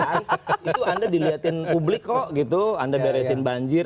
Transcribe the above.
itu anda dilihatin publik kok gitu anda beresin banjir